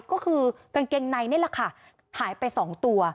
ก็คือกางเกงในนี่แหละค่ะหายไป๒ตัว